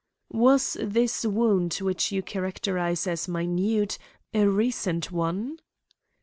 "Was this wound which you characterize as minute a recent one?"